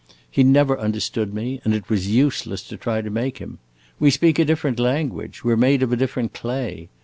He never understood me, and it was useless to try to make him. We speak a different language we 're made of a different clay.